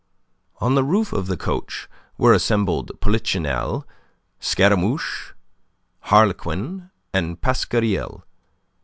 On the roof of the coach were assembled Polichinelle, Scaramouche, Harlequin, and Pasquariel.